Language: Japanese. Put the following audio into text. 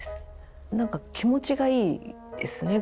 何か気持ちがいいですね。